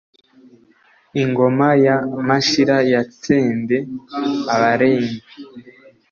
Ingoma ya Mashira yatsembe Abarenge